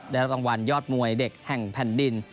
รางวัลยอดมวยเด็กแห่งแผ่นดิน